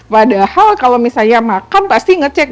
padahal kalau misalnya makan pasti ngecek